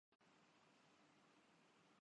یہ فضول کی باتیں ہیں۔